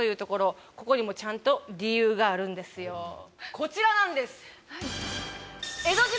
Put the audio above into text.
こちらなんです！